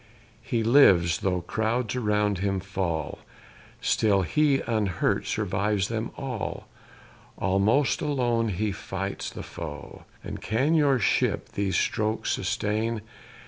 He lives though crowds around him fall, Still he, unhurt, survives them all; Almost alone he fights the foe. And can your ship these strokes sustain?